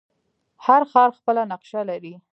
هر ښار خپله نقشه لري.